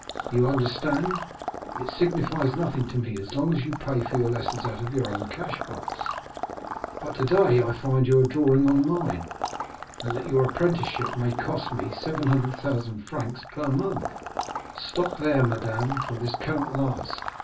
You understand, it signifies nothing to me so long as you pay for your lessons out of your own cash box. But today I find you are drawing on mine, and that your apprenticeship may cost me 700,000 francs per month. Stop there, madame, for this cannot last.